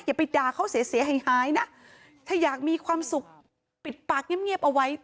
อย่าไปด่าเขาเสียหายหายนะถ้าอยากมีความสุขปิดปากเงียบเอาไว้